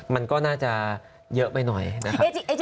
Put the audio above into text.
มันก็น่าจะเยอะไปหน่อยนะครับ